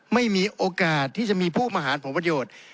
ไม่มีโอกาสที่จะมีผู้มาหารผลประโยชน์